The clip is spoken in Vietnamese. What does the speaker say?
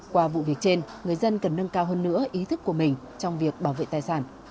qua vụ việc trên người dân cần nâng cao hơn nữa ý thức của mình trong việc bảo vệ tài sản